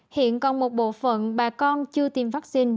hiện còn một bộ phận bà con chưa tiêm vaccine